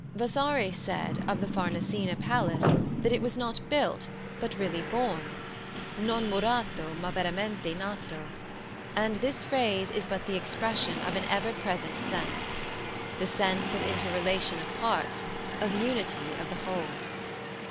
Vasari said of the Farnesina palace that it was not built, but really born non murato ma veramente nato; and this phrase is but the expression of an ever present sense the sense of interrelation of parts, of unity of the whole.